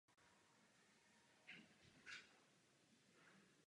Mimo jiné se objevila na obalu ruské mutace magazínu Vogue a také Vogue China.